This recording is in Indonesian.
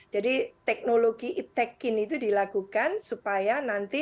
jadi teknologi tech ini itu dilakukan supaya nanti